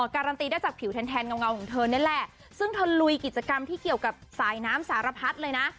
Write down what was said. การันตีได้จากผิวแทนเงาของเธอนี่แหละซึ่งเธอลุยกิจกรรมที่เกี่ยวกับสายน้ำสารพัดเลยนะ